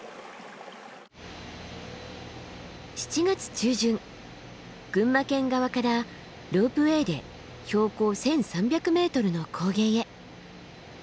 ７月中旬群馬県側からロープウエーで標高１，３００ｍの高原へ。